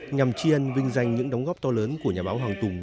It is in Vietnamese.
nhằm chiên vinh danh những đóng góp to lớn của nhà báo hoàng tùng